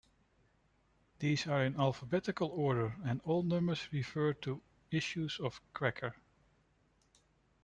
These are in alphabetical order and all numbers refer to issues of "Cracker".